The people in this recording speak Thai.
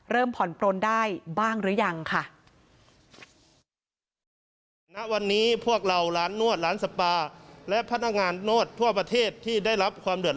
ผ่อนปลนได้บ้างหรือยังค่ะ